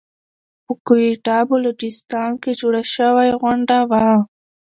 په کويټه بلوچستان کې جوړه شوى غونډه وه .